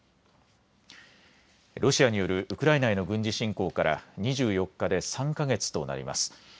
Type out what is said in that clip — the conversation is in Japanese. ロシアによるウクライナへの軍事侵攻から２４日で３か月となります。